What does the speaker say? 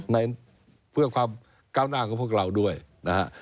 ในเพื่อความก้าวหน้าของพวกเราด้วยนะฮะ